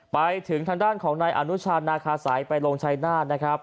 ไปถึงทางด้านของนายอนุชานาคาสัยไปลงชายนาฏนะครับ